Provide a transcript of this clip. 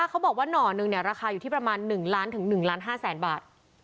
เขาบอกว่าหน่อหนึ่งราคาอยู่ที่ประมาณ๑ล้านถึง๑ล้าน๕แสนบาท